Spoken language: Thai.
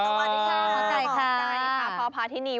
สวัสดีค่ะพอพาธินี